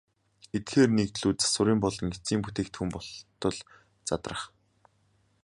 Эдгээр нэгдлүүд завсрын болон эцсийн бүтээгдэхүүн болтол задрах.